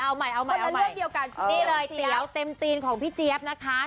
เอาใหม่เอาใหม่มาเช่นเดียวกันที่นี่เลยเตี๋ยวเต็มตีนของพี่เจี๊ยบนะคะ